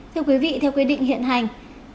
thưa quý vị theo quy định hiện hành